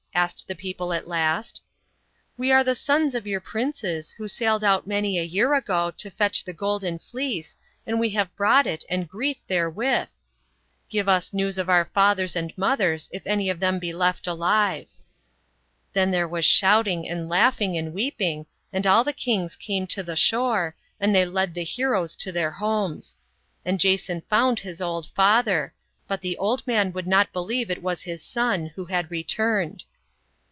asked the people at last. " c We are the sons of your princes, who sailed out many a year ago, to fetch the Golden Fleece, and we have brought it and grief therewith. Give us nc%vs of our fathers and mothers, if any of them be left alive/ *" Then there was shouting and laughing and weep ipg, and all the kings came to the shore, and they B.C. 1193.] MORE STOBITJS OF GREECE. 61 led the heroes to their homos. And Jason found his old father ; but the old man would not believe it was his son, who had returned.